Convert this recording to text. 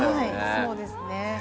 そうですね。